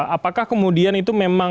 apakah kemudian itu memang